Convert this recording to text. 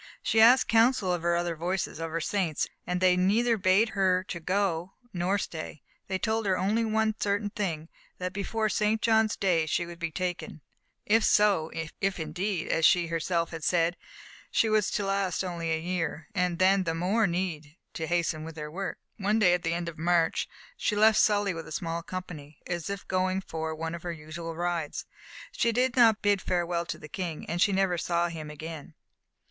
She asked counsel of her other voices, of her saints, and they neither bade her go nor stay; they told her only one certain thing, that before St. John's day she would be taken. If so if indeed, as she herself had said, she was to last only a year then the more need to hasten with her work. One day at the end of March she left Sully with a small company, as if going for one of her usual rides. She did not bid farewell to the King, and she never saw him again.